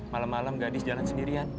malam malam gadis jalan sendirian